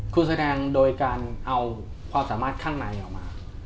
คุณแสดงโดยการเอาความสามารถข้างในออกมา